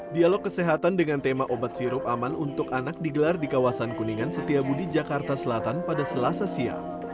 dialog kesehatan dengan tema obat sirup aman untuk anak digelar di kawasan kuningan setiabudi jakarta selatan pada selasa siang